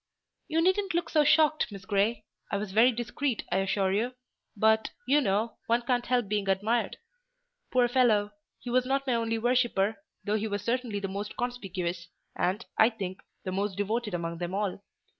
You needn't look so shocked, Miss Grey; I was very discreet, I assure you, but, you know, one can't help being admired. Poor fellow! He was not my only worshipper; though he was certainly the most conspicuous, and, I think, the most devoted among them all.